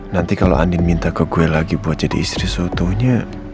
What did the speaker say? nanti kalau andin minta ke gue lagi buat jadi istri sotonya